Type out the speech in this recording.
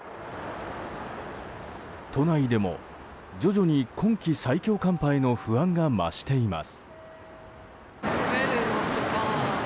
都内でも徐々に今季最強寒波への不安が増しています。